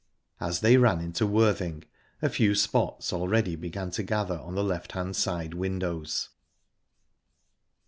As they ran into Worthing, a few spots already began to gather on the left hand side windows.